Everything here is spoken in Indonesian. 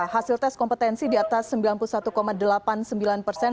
hasil tes kompetensi di atas sembilan puluh satu delapan puluh sembilan persen